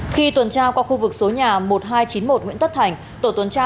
khi tuần tra qua khu vực số nhà một nghìn hai trăm chín mươi một nguyễn tất thành tổ tuần tra